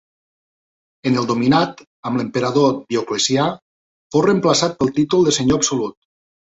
En el Dominat, amb l'emperador Dioclecià, fou reemplaçat pel títol de senyor absolut.